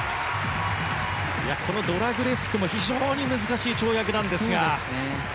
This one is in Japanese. このドラグレスクも非常に難しい跳躍なんですが。